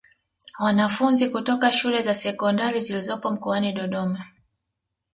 Wanafunzi kutoka shule za Sekondari zilizopo mkoani Dodoma